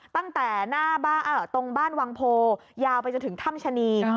ตั้งแต่หน้าตรงบ้านวังโพยาวไปจนถึงถ้ำชะนี